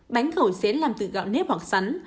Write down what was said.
bánh khẩu xén làm từ gạo nếp hoặc sắn